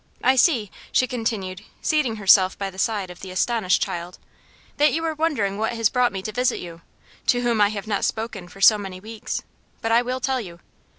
I see," she continued, seating herself by the side of the astonished child, "that you are wondering what has brought me to visit you, to whom I have not spoken for so many weeks; but I will tell you.